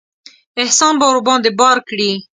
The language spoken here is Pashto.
احسان به ورباندې بار کړي.